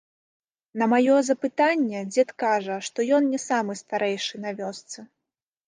На маё запытанне дзед кажа, што ён не самы старэйшы на вёсцы.